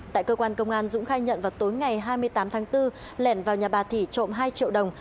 tại cơ quan công an dũng khai nhận vào tối ngày hai mươi tám tháng bốn lẻn vào nhà bà thủy trộm hai triệu đồng